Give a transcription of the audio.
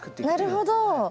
なるほど。